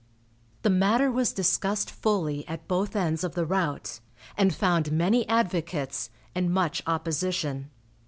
The matter was discussed fully at both ends of the route, and found many advocates and much opposition.